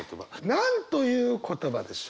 何という言葉でしょう？